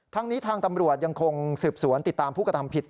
ทั้งนี้ทางตำรวจยังคงสืบสวนติดตามภูกษาธรรมผิด